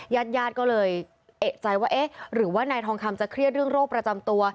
ญาติญาติก็เลยเอกใจว่าเอ๊ะหรือว่านายทองคำจะเครียดเรื่องโรคประจำตัว